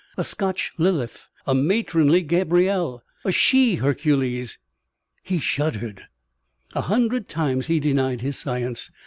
A Scotch Lilith, a matronly Gabriel, a she Hercules. He shuddered. A hundred times he denied his science.